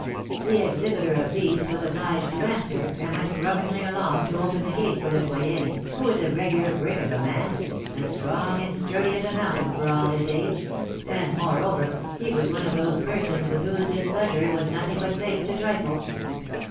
The exhibitor of beasts was obliged to answer, and went grumblingly along to open the gate for Le Doyen, who was a regular brick of a man, as strong and sturdy as a mountain for all his age, and, moreover, he was one of those persons with whose displeasure it was anything but safe to trifle.